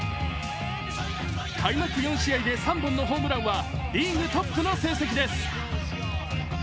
開幕４試合で３本のホームランは、リーグトップの成績です。